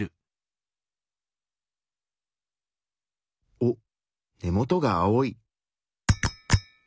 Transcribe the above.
おっ根元が青い。